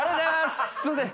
すいません。